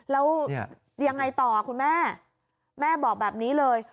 แล้วยังไงต่อคุณแม่แม่บอกแบบนี้เลย